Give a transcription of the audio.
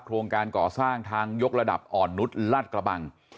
โครงการก่อสร้างทางยกระดับอ่อนนุษย์ลาดกระบัง